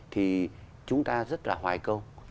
thì chúng ta rất là hoài công